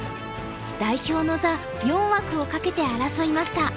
代表の座４枠を懸けて争いました。